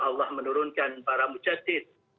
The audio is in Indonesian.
allah menurunkan para mujadid